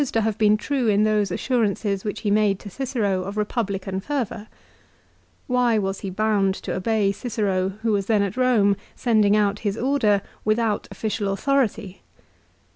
CICEEO'S DEATH. 283 to have been true in those assurances which he made to Cicero of Republican fervour. Why was he bound to obey Cicero who was then at Rome, sending out his order , without official authority